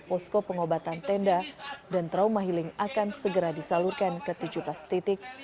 posko pengobatan tenda dan trauma healing akan segera disalurkan ke tujuh belas titik